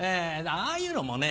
ああいうのもね